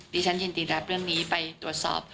ฉันยินดีรับเรื่องนี้ไปตรวจสอบ